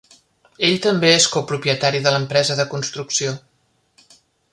Ell també és copropietari de l'empresa de construcció.